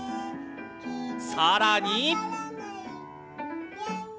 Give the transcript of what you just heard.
さらに。